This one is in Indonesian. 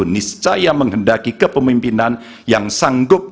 niscaya menghendaki kepemimpinan yang sanggup